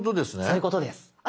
そういうことです。